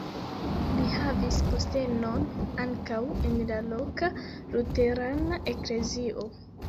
Li havis postenon ankaŭ en la loka luterana eklezio.